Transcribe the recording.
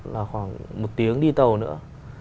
là khoảng một tiếng đi tàu nữa